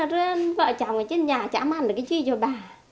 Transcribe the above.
rồi vợ chồng ở trên nhà chảm ăn được cái gì cho bà